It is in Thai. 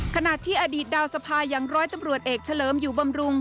ขณะที่อดีตดาวสภาอย่างร้อยตำรวจเอกเฉลิมอยู่บำรุง